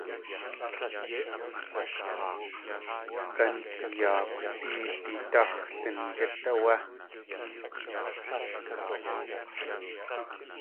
Gántiyaakw Séedidáx̲ Lingít áwé.